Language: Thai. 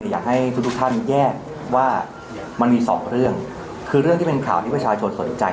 อยากให้ทุกทุกท่านแยกว่ามันมีสองเรื่องคือเรื่องที่เป็นข่าวที่ประชาชนสนใจ